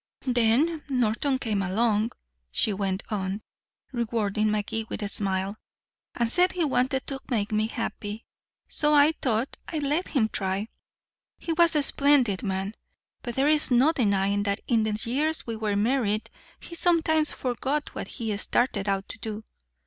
"Then Norton came along," she went on, rewarding Magee with a smile, "and said he wanted to make me happy. So I thought I'd let him try. He was a splendid man, but there's no denying that in the years we were married he sometimes forgot what he started out to do.